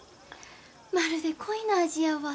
まるで恋の味やわ」